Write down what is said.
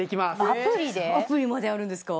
アプリまであるんですか？